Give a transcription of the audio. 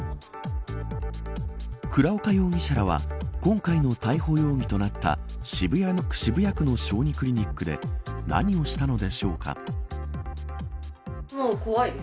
倉岡容疑者らは今回の逮捕容疑となった渋谷区の小児クリニックで何をしたのでしょうか。